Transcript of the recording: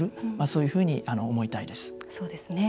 そういうふうに思いたいです。